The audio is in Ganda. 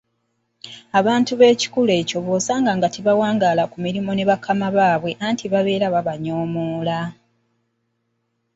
Abantu ab'ekikula ekyo bosanga nga tebawangaala ku mirimu ne bakama baabwe anti babeera babanyoomoola,